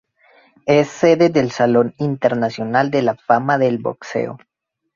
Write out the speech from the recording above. Es sede del Salón Internacional de la Fama del Boxeo.